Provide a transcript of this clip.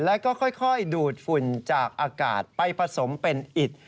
แล้วก็ค่อยดูดฝุ่นจากอากาศไปผสมเป็นอิด